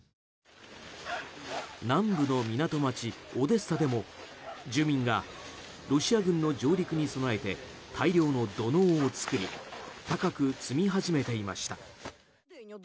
南部の港町オデッサでも住民がロシア軍の上陸に備えて大量の土のうを作り高く積み始めていました。